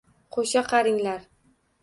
Qo‘sha qaringlar.